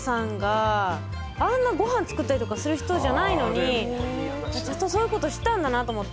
あんなごはん作ったりとかする人じゃないのにずっとそういう事してたんだなと思って。